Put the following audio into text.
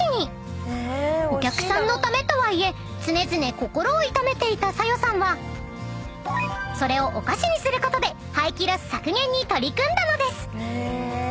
［お客さんのためとはいえ常々心を痛めていた早代さんはそれをお菓子にすることで廃棄ロス削減に取り組んだのです］